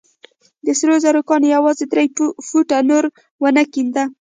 د سرو زرو کان يې يوازې درې فوټه نور ونه کينده.